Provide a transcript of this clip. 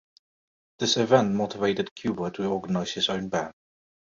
This event motivated Cuba to organize his own band.